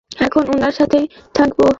এখন উনার সাথেই থাকবো।